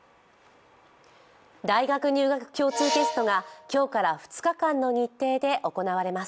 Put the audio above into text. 大学入学共通テストが今日から２日間の日程で行われます。